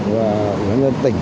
và ủy ban nhân tỉnh